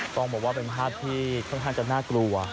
ต้องบอกว่าเป็นภาพที่ค่อนข้างจะน่ากลัว